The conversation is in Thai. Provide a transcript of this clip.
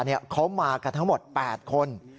เขามากันทั้งหมด๘คน